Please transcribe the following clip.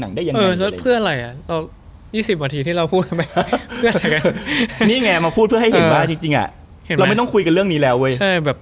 เห็นมะเราไม่ต้องคุยกันเรื่องนี้แล้วเว้ย